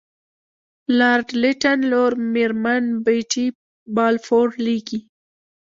لارډ لیټن لور میرمن بیټي بالفور لیکي.